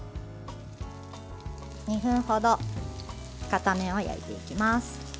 ２分ほど片面を焼いていきます。